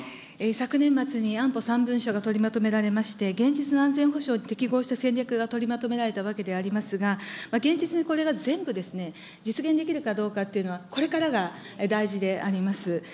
昨年末に安保３文書が取りまとめられまして、現実の安全保障に適合した戦略が取りまとめられたわけでありますが、現実にこれが全部、実現できるかどうかっていうのは、これからが大事であります。